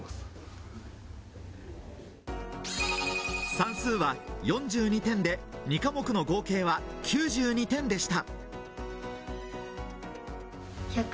算数は４２点で、２科目の合計は９２点でした。